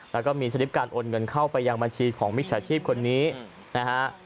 แล้วก็มีสลิปการโอนเงินเข้าไปยังบัญชีของมิจฉาชีพคนนี้นะฮะ